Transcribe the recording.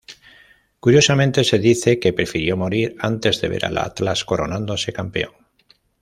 Curiosamente se dice que –prefirió morir antes de ver al Atlas coronándose campeón–.